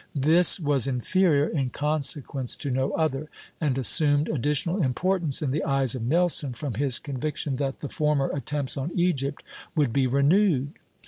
This was inferior in consequence to no other, and assumed additional importance in the eyes of Nelson from his conviction that the former attempts on Egypt would be renewed.